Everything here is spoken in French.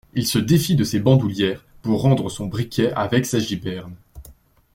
Il se défit de ses bandoulières pour rendre son briquet avec sa giberne.